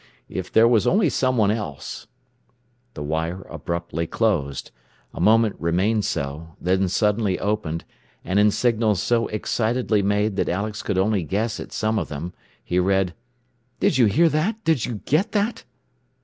If there was only someone else " The wire abruptly closed, a moment remained so, then suddenly opened, and in signals so excitedly made that Alex could only guess at some of them, he read: "Did you hear that? Did you get that?"